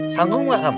sanggup gak ham